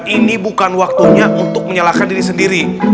ini bukan waktunya untuk menyalahkan diri sendiri